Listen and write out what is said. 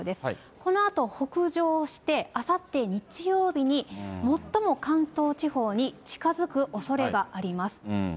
このあと北上して、あさって日曜日に最も関東地方に近づくおそれがあります。